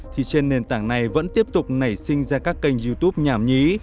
thì trên nền tảng này vẫn tiếp tục nảy sinh ra các kênh youtube nhảm nhí